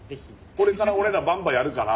これから俺らバンバンやるから。